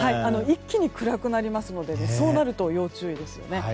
一気に暗くなりますのでそうなると要注意ですよね。